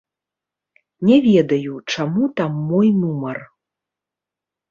Не ведаю, чаму там мой нумар.